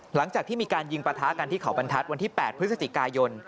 หลังจากที่มีการยิงประทะกันที่เขาบรรทัศน์วันที่๘พฤศจิกายน